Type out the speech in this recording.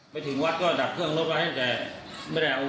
ไปขับรถออกไปเลยหนีไปเลย